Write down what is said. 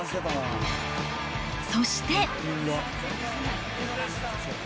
そして。